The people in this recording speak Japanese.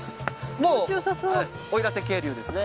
もう奥入瀬渓流ですね。